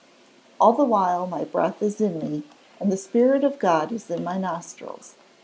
[Verse: "All the while my breath is in me, and the spirit of God is in my nostrils.